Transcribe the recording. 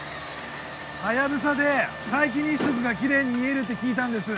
ハヤブサで皆既日食がきれいに見えるって聞いたんです。